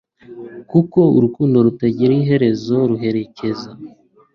kuko urukundo rutagira iherezo ruherekeza